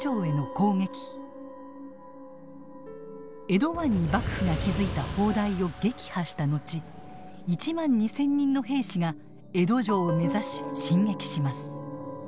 江戸湾に幕府が築いた砲台を撃破したのち１万２，０００人の兵士が江戸城を目指し進撃します。